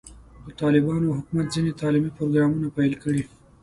د طالبانو حکومت ځینې تعلیمي پروګرامونه پیل کړي.